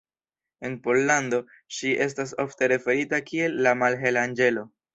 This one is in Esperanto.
En Pollando, ŝi estas ofte referita kiel "la malhela anĝelo".